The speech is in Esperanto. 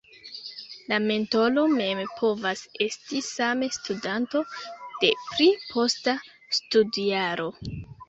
La mentoro mem povas esti same studanto, de pli posta studjaro.